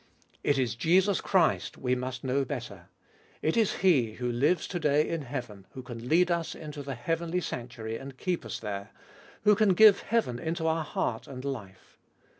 It is Jesus Christ we must know better. It is He who lives to day in heaven, who can lead us into the heavenly sanctuary, and keep us there, who can give heaven into our heart and life.